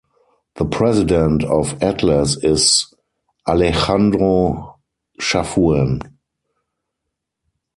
The president of Atlas is Alejandro Chafuen.